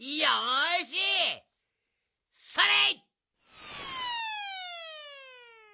それ！